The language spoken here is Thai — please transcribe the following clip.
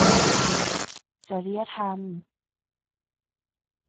จริยธรรม